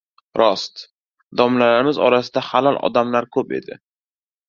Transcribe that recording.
Rost, domlalarimiz orasida halol odamlar ko‘p edi.